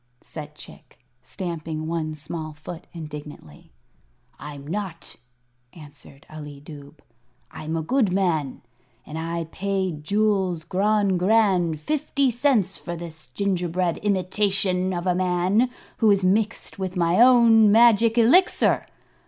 said Chick, stamping one small foot indignantly. "I'm not," answered Ali Dubh; "I'm a good man. And I paid Jules Grogrande fifty cents for this gingerbread imitation of a man, who is mixed with my own magic Elixir.